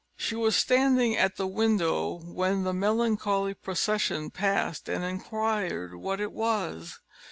She was standing at the window when the melancholy procession passed, and inquired what it was.